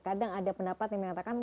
kadang ada pendapat yang mengatakan